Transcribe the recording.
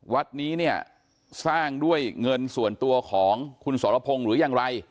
วัดนี้เนี่ยสร้างด้วยเงินส่วนตัวของคุณสรพงศ์หรือยังไร